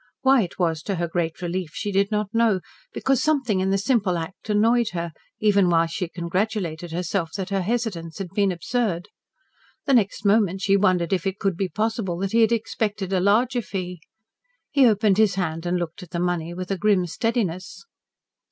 Why it was to her great relief she did not know because something in the simple act annoyed her, even while she congratulated herself that her hesitance had been absurd. The next moment she wondered if it could be possible that he had expected a larger fee. He opened his hand and looked at the money with a grim steadiness.